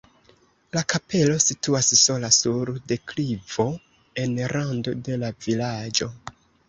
La kapelo situas sola sur deklivo en rando de la vilaĝo.